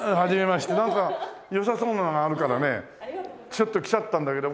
ちょっと来ちゃったんだけど。